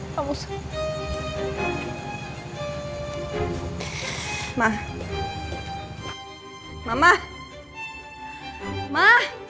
tega kamu bicara seperti itu sama mama